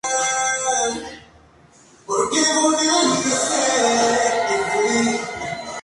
Fue hijo de Porfirio Oduber Soto y Ana María Quirós y Quirós.